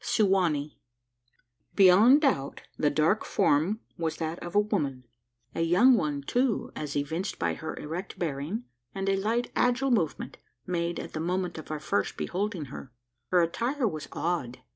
SU WA NEE. Beyond doubt, the dark form was that of a woman a young one too, as evinced by her erect bearing, and a light agile movement, made at the moment of our first beholding her. Her attire was odd.